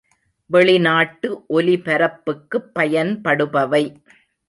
வெளிநாட்டு ஒலிபரப்புக்குப் பயன்படுபவை.